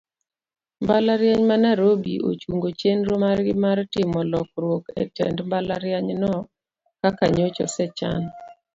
Mbalariany ma nairobi ochungo chienro margi mar timo lokruok etend mbalarianyno kaka nyocha osechan.